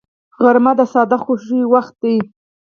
غرمه د ساده خوښیو وخت دی